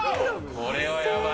これはやばい！